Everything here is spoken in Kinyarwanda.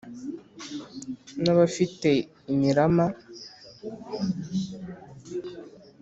n’abafite imirama,